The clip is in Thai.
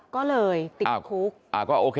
ก็เลยติดคุก